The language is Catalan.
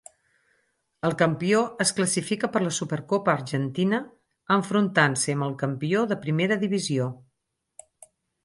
El campió es classifica per la Supercopa Argentina enfrontant-se amb el campió de primera divisió.